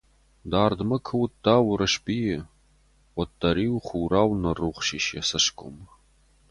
Дардмӕ куы уыдта Уырысбийы, уӕддӕр-иу хурау ныррухс ис йӕ цӕсгом.